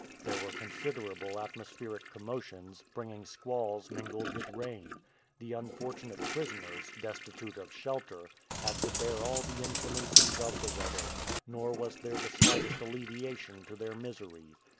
There were considerable atmospheric commotions, bringing squalls mingled with rain. The unfortunate prisoners, destitute of shelter, had to bear all the inclemencies of the weather, nor was there the slightest alleviation to their misery.